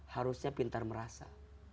harusnya pintar merasa